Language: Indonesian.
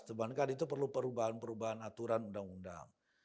sedangkan itu perlu perubahan perubahan aturan undang undang